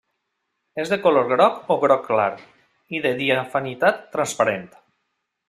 És de color groc o groc clar, i de diafanitat transparent.